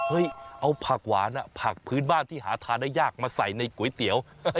เอาผักหวานผักพื้นบ้านที่หาทานได้ยากมาใส่ในก๋วยเตี๋ยว